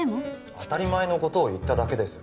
当たり前のことを言っただけです